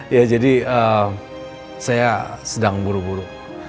ya jadi saya sedang buru buru